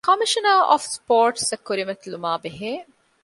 ކޮމިޝަނަރ އޮފް ސްޕޯޓްސްއަށް ކުރިމަތިލުމާ ބެހޭ